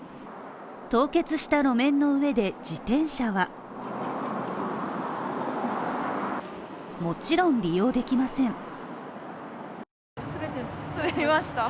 凍結した路面の上で自転車はもちろん利用できません。